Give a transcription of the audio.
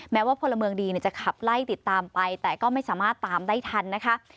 แม้ว่าพลเมืองดีจะขับไล่ติดตามไปแต่ก็ไม่สามารถตามได้ทันนะคะ